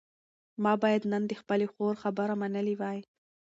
ما باید نن د خپلې خور خبره منلې وای.